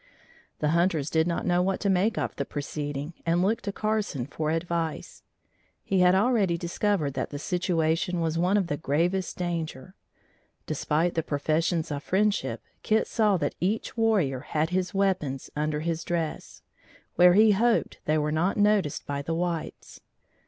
The hunters did not know what to make of the proceeding, and looked to Carson for advice. He had already discovered that the situation was one of the gravest danger. Despite the professions of friendship, Kit saw that each warrior had his weapons under his dress, where he hoped they were not noticed by the whites.